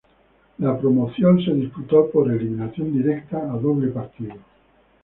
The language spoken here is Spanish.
La promoción se disputó por eliminación directa a doble partido.